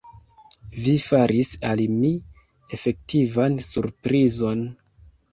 Vi faris al mi efektivan surprizon!